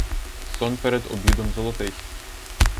Сон перед обідом золотий.